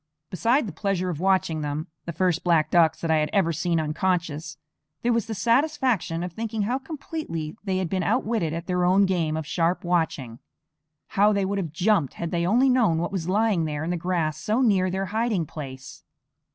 Beside the pleasure of watching them, the first black ducks that I had ever seen unconscious, there was the satisfaction of thinking how completely they had been outwitted at their own game of sharp watching. How they would have jumped had they only known what was lying there in the grass so near their hiding place!